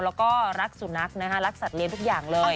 แล้วก็รักสุนัขนะคะรักสัตว์เลี้ยงทุกอย่างเลย